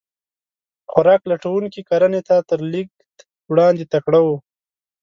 خوراک لټونکي کرنې ته تر لېږد وړاندې تکړه وو.